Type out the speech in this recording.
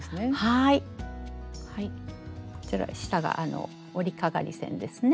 はいこちら下が織りかがり線ですね。